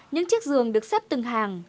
những chiếc giường được xếp từng hàng